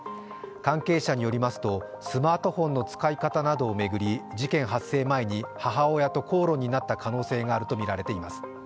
関係者によりますとスマートフォンの使い方などを巡り事件発生前に母親と口論になった可能性があるとみられています。